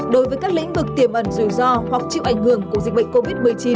đối với các lĩnh vực tiềm ẩn rủi ro hoặc chịu ảnh hưởng của dịch bệnh covid một mươi chín